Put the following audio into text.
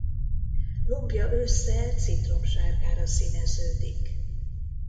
Lombja ősszel citromsárgára színeződik.